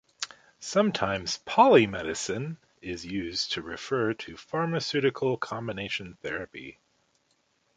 Sometimes "polymedicine" is used to refer to pharmaceutical combination therapy.